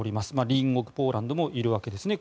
隣国ポーランドもいるわけですね。